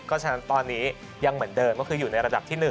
เพราะฉะนั้นตอนนี้ยังเหมือนเดิมก็คืออยู่ในระดับที่๑